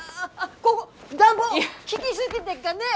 こご暖房効ぎ過ぎでっかねえ！